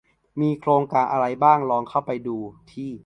มีโครงการอะไรบ้างลองเข้าไปดูที่